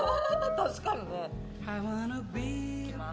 確かにね。いきます。